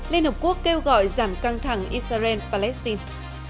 liên hợp quốc kêu gọi giảm căng thẳng israel palestine